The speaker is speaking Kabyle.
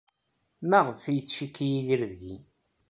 Maɣef ay yettcikki Yidir deg-i?